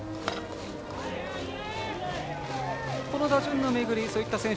この打順の巡り